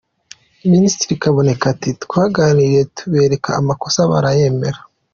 Minisitiri Kaboneka ati ”Twaganiriye tubereka amakosa barayemera.